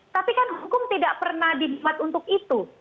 tapi kan hukum tidak pernah dinikmat untuk itu